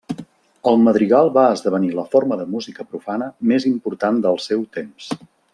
El madrigal va esdevenir la forma de música profana més important del seu temps.